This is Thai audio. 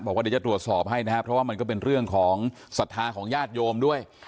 บอกว่าเดี๋ยวจะตรวจสอบให้นะครับเพราะว่ามันก็เป็นเรื่องของศรัทธาของญาติโยมด้วย